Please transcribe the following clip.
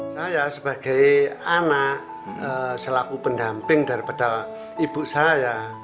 saya sebagai anak selaku pendamping daripada ibu saya